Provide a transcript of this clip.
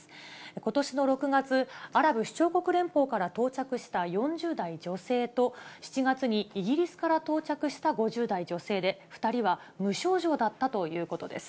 ことしの６月、アラブ首長国連邦から到着した４０代女性と、７月にイギリスから到着した５０代女性で、２人は無症状だったということです。